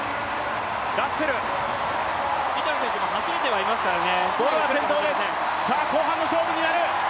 リトル選手も走れてはいますからね。